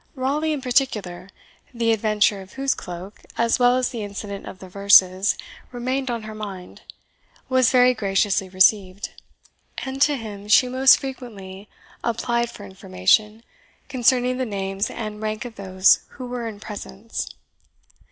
Raleigh, in particular, the adventure of whose cloak, as well as the incident of the verses, remained on her mind, was very graciously received; and to him she most frequently applied for information concerning the names and rank of those who were in presence.